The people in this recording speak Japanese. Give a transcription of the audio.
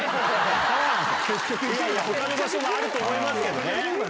他の場所もあると思いますけどね。